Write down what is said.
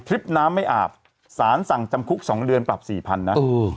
คลิปน้ำไม่อาบสารสั่งจำคุก๒เดือนปรับสี่พันนะ